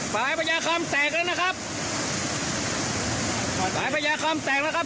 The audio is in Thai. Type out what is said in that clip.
ปลายพญาคำแตกแล้วนะครับสายพญาคำแตกแล้วครับ